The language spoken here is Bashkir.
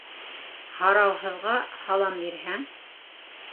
Һарауһыҙға һалам бирһәң